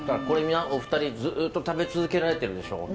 これお二人ずっと食べ続けられてるでしょ？